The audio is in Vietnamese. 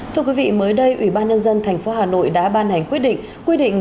thưa quý vị mới đây ủy ban nhân dân thành phố hà nội đã ban hành quyết định